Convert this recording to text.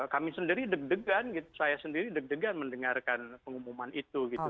kami sendiri deg degan saya sendiri deg degan mendengarkan pengumuman itu gitu